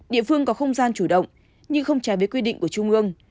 địa phương có không gian chủ động nhưng không trái với quy định của trung ương